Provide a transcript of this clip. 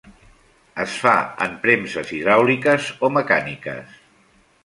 Es fa en premses hidràuliques o mecàniques.